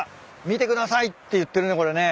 見てくださいって言ってるねこれね。